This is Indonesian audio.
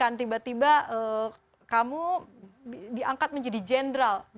kalau diberikan tiba tiba kamu diangkat menjadi jenderal